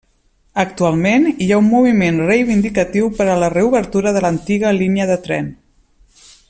Actualment hi ha un moviment reivindicatiu per la reobertura de l'antiga línia de tren.